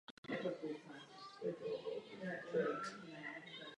Dohá by oživilo světovou ekonomiku a zamezilo rozvinutí protekcionismu.